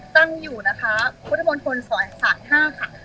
ตั้งอยู่พุทธมณฑลสาย๕ค่ะ